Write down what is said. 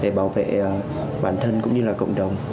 để bảo vệ bản thân cũng như là cộng đồng